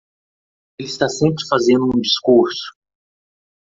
Ele está sempre fazendo um discurso.